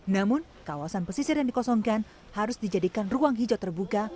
namun kawasan pesisir yang dikosongkan harus dijadikan ruang hijau terbuka